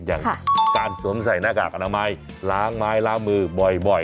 อย่างการสวมใส่หน้ากากอนามัยล้างไม้ล้างมือบ่อย